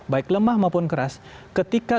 baik lemah maupun keras ketika